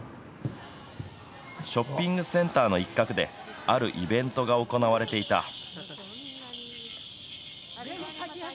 ショッピングセンターの一角で、あるイベントが行われていた。